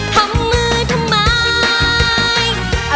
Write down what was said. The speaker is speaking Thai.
ทำมือทำไม